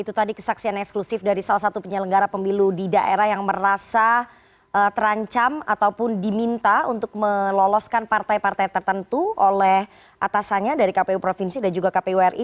itu tadi kesaksian eksklusif dari salah satu penyelenggara pemilu di daerah yang merasa terancam ataupun diminta untuk meloloskan partai partai tertentu oleh atasannya dari kpu provinsi dan juga kpu ri